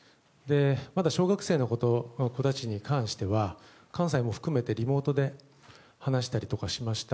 まだ小学生の子たちに関しては関西も含めてリモートで話したりしました。